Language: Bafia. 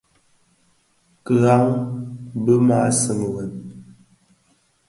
Kidhaň min bi maa seňi wêm.